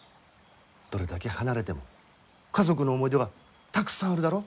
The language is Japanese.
どれだけ離れても家族の思い出がたくさんあるだろ。